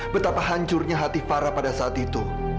betapa hancurnya hati fara pada saat itu